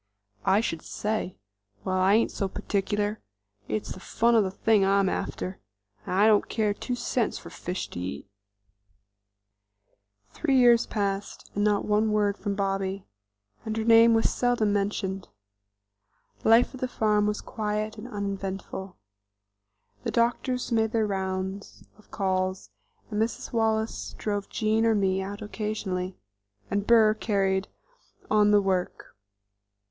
"I should say? Well, I ain't so particular; it's the fun of the thing I'm after. I don't care two cents for fish to eat." Three years passed, and not one word from Bobby, and her name was seldom mentioned. Life at the farm was quiet and uneventful. The doctors made their rounds of calls, Mrs. Wallace drove Jean or me out occasionally, and Burr carried on the work.